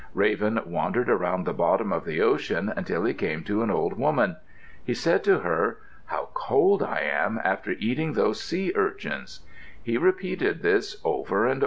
Raven wandered around the bottom of the ocean until he came to an old woman. He said to her, "How cold I am after eating those sea urchins." He repeated this over and over again.